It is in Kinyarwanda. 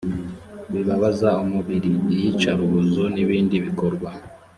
bibabaza umubiri iyicarubozo n ibindi bikorwa